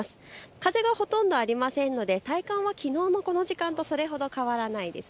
風がほとんどありませんので体感はきのうのこの時間とそれほど変わらないです。